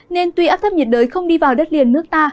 nên tuy áp thấp nhiệt đới không đi vào đất liền nước ta